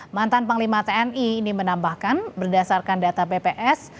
mantan panglima tni ini menambahkan berdasarkan data bps